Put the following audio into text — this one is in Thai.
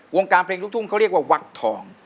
วงการเพลงลูกทุ่งเขาเรียกว่าวักทอง